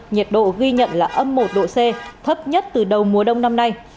nhiệt độ ghi nhận là âm một độ c thấp nhất từ đầu mùa đông năm nay